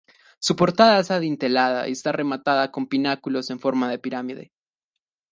Su portada es adintelada y está rematada con pináculos en forma de pirámide.